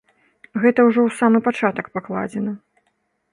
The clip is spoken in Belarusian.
Гэта ўжо ў самы пачатак пакладзена.